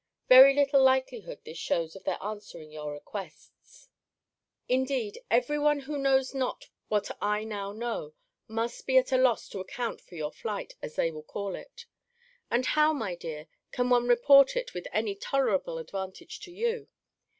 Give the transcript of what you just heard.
Very little likelihood this shews of their answering your requests. Indeed every one who knows not what I now know, must be at a loss to account for your flight, as they will call it. And how, my dear, can one report it with any tolerable advantage to you?